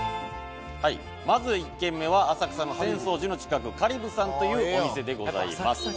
「まず１軒目は浅草の浅草寺の近くカリブさんというお店でございます」